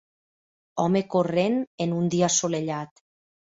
Home corrent en un dia assolellat.